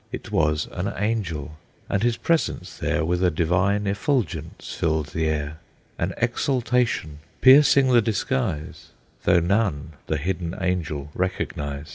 It was an Angel; and his presence there With a divine effulgence filled the air, An exaltation, piercing the disguise, Though none the hidden Angel recognize.